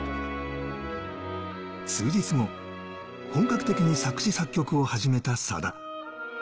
数日後、本格的に作詞作曲を始めた、さだ。